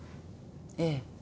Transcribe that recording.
ええ。